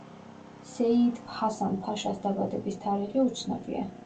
სეიიდ ჰასან-ფაშას დაბადების თარიღი უცნობია.